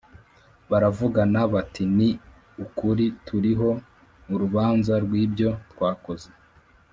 Baravugana bati Ni ukuri turiho urubanza rw ibyo twakoze